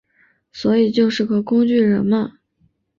所以就是个工具人嘛